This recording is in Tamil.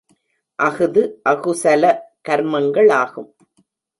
அஃது அகுஸல கர்மங்களாகும்.